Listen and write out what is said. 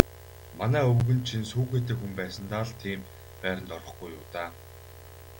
Манай өвгөн чинь сүүхээтэй хүн байсандаа л тийм байранд орохгүй юу даа.